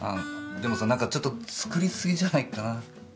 でもさ何かちょっと作りすぎじゃないかな。